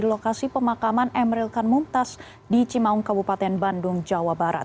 di lokasi pemakaman emeril kan mumtaz di cimaung kabupaten bandung jawa barat